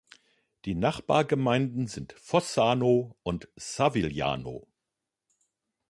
Die Nachbargemeinden sind Fossano und Savigliano.